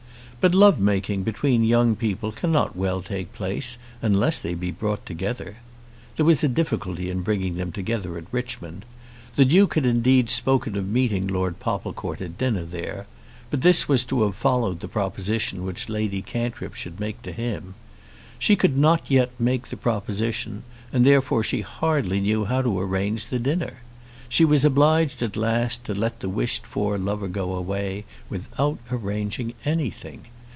But love making between young people cannot well take place unless they be brought together. There was a difficulty in bringing them together at Richmond. The Duke had indeed spoken of meeting Lord Popplecourt at dinner there; but this was to have followed the proposition which Lady Cantrip should make to him. She could not yet make the proposition, and therefore she hardly knew how to arrange the dinner. She was obliged at last to let the wished for lover go away without arranging anything.